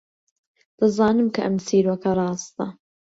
دەزانم کە ئەم چیرۆکە ڕاستە.